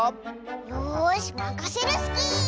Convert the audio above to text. よしまかせるスキー！